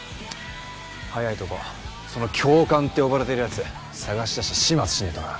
早いとこその「教官」って呼ばれてる奴捜し出して始末しねえとな。